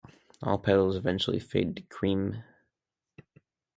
All petals eventually fade to cream.